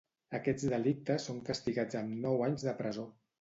Aquests delictes són castigats amb nou anys de presó.